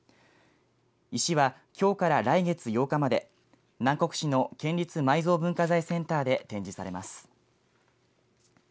石は、きょうから来月８日まで南国市の県立埋蔵文化財センターで展示されます。